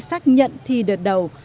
xác nhận thi đợt đầu